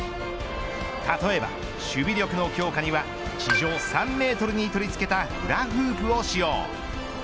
例えば守備力の強化には地上３メートルに取り付けたフラフープを使用。